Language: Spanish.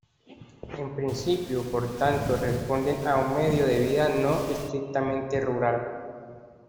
En principio, por tanto, responden a un medio de vida no estrictamente rural.